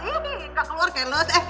ih gak keluar keles